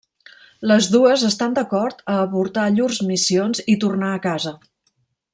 Les dues estan d'acord a avortar llurs missions i tornar a casa.